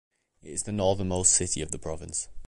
It is the northernmost city of the province.